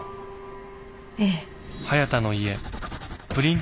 ええ。